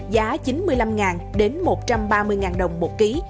giá chín mươi năm đến một trăm ba mươi đồng một ký